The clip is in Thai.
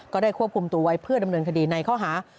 ก็ได้ควบคุมตัวไว้เพื่อดำเนินคดีในข้อหา